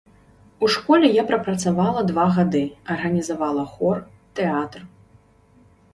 У школе я прапрацавала два гады, арганізавала хор, тэатр.